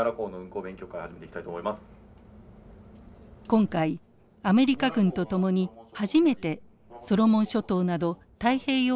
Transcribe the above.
今回アメリカ軍と共に初めてソロモン諸島など太平洋